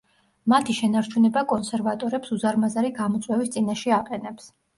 მათი შენარჩუნება კონსერვატორებს უზარმაზარი გამოწვევის წინაშე აყენებს.